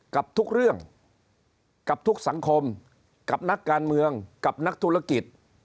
กับทุกเรื่องกับทุกสังคมกับนักการเมืองกับนักธุรกิจ